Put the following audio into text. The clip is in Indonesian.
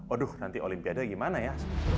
aduh nanti olimpiade gimana ya